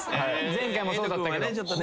前回もそうだったけど。